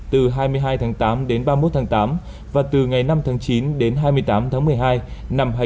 từ hai mươi hai tháng tám đến ba mươi một tháng tám và từ ngày năm tháng chín đến hai mươi tám tháng một mươi hai năm hai nghìn một mươi chín